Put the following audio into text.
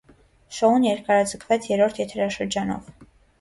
Շոուն երկարաձգվեց երրորդ եթերաշրջանով։